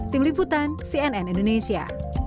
tim liputan cnn indonesia